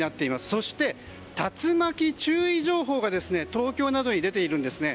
そして、竜巻注意情報が東京などに出ているんですね。